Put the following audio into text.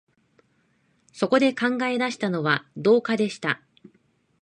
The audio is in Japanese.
そこで考え出したのは、道化でした